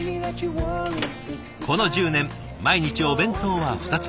この１０年毎日お弁当は２つ。